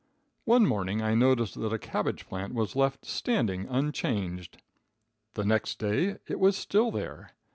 One morning I noticed that a cabbage plant was left standing unchanged. The next day it was still there.